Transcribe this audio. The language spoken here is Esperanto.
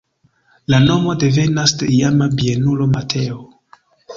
La nomo devenas de iama bienulo Mateo.